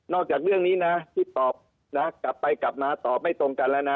จากเรื่องนี้นะที่ตอบนะกลับไปกลับมาตอบไม่ตรงกันแล้วนะ